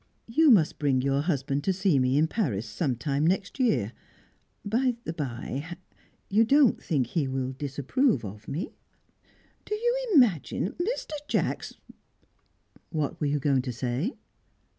"You must bring your husband to see me in Paris some time next year. By the bye, you don't think he will disapprove of me?" "Do you imagine Mr. Jacks " "What were you going to say?"